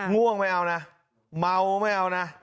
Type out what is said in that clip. ง่วงไม่เอานะเมาไม่เอานะ